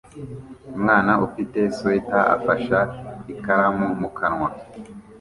Umwana ufite swater afashe ikaramu mu kanwa